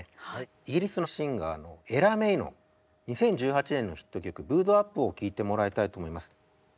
イギリスのシンガーのエラ・メイの２０１８年のヒット曲「Ｂｏｏ’ｄＵｐ」を聴いてもらいたいと思います。